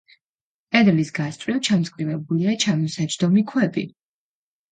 კედლის გასწვრივ ჩამწკრივებულია ჩამოსაჯდომი ქვები.